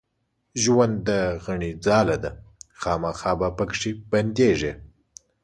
ژوند د غڼي ځاله ده خامخا به پکښې بندېږې